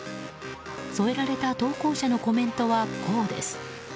添えられた投稿者のコメントはこうです。